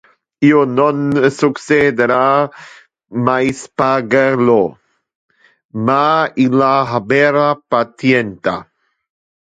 Io non succedera mais pagar lo; ma illa habera patientia.